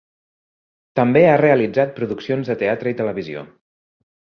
També ha realitzat produccions de teatre i televisió.